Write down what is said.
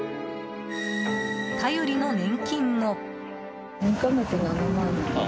頼りの年金も。